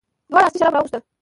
دواړو استي شراب راوغوښتل.